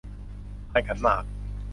พานขันหมาก